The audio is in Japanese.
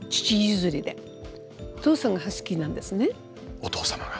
お父様が。